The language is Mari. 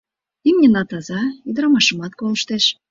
Имньына таза, ӱдырамашымат колыштеш.